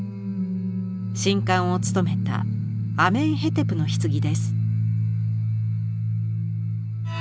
神官を務めたアメンヘテプの棺です。